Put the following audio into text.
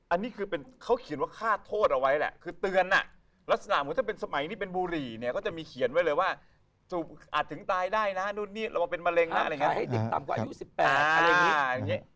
อันนี้คือเขาเขียนว่าคาดโทษเอาไว้แหละคือเตือนลักษณะเหมือนถ้าเป็นสมัยนี้เป็นบุหรี่เนี่ยก็จะมีเขียนไว้เลยว่าอาจถึงตายได้นะนู่นนี่เราว่าเป็นมะเร็งนะอะไรอย่างนี้